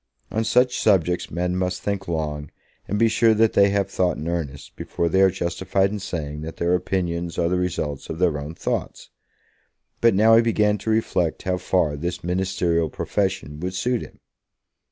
On such subjects men must think long, and be sure that they have thought in earnest, before they are justified in saying that their opinions are the results of their own thoughts. But now he began to reflect how far this ministerial profession would suit him.